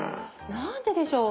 何ででしょう？